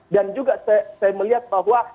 dan juga saya melihat bahwa